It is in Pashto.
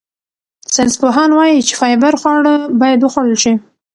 ساینسپوهان وايي چې فایبر خواړه باید وخوړل شي.